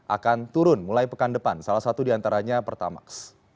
akan turun mulai pekan depan salah satu diantaranya pertamax